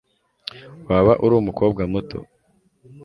waba uri umukobwa muto